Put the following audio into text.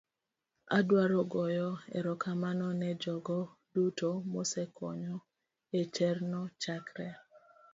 adwaro goyo erokamano ne jogo duto mosekonyo e chenrono chakre